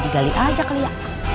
di gali aja kali ya